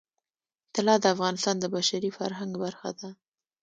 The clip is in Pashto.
طلا د افغانستان د بشري فرهنګ برخه ده.